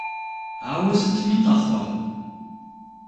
Ауэ сытми къэхъуа!